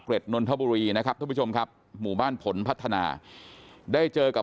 นนทบุรีนะครับท่านผู้ชมครับหมู่บ้านผลพัฒนาได้เจอกับ